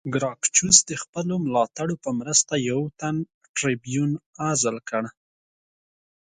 ګراکچوس د خپلو ملاتړو په مرسته یو تن ټربیون عزل کړ